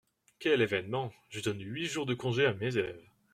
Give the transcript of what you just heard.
Quel événement ! je donne huit jours de congé à mes élèves !…